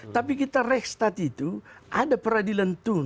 tapi kita reksat itu ada peradilan tun